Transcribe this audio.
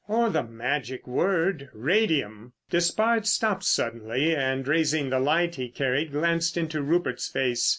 Or the magic word, radium!" Despard stopped suddenly, and raising the light he carried glanced into Rupert's face.